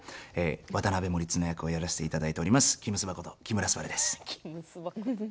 渡辺守綱役をやらせていただいておりますきむすばこと、木村昴です。